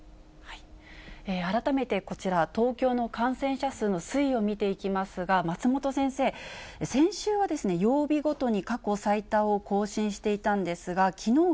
改めてこちら、東京の感染者数の推移を見ていきますが、松本先生、先週は曜日ごとに過去最多を更新していたんですが、きのう、